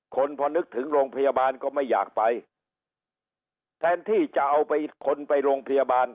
คนพอนึกถึงโรงพยาบาลก็ไม่อยากไปแทนที่จะเอาไปคนไปโรงพยาบาล